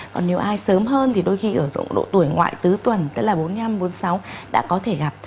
còn nếu ai sớm hơn thì đôi khi ở độ tuổi ngoại tứ tuần tức là bốn mươi năm bốn mươi sáu đã có thể gặp